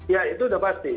ya itu sudah pasti